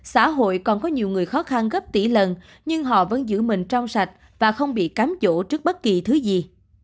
xã hội còn có nhiều người khó khăn gấp tỷ lần nhưng họ vẫn giữ mình trong sạch và không bị cám chỗ trước bất kỳ thứ gì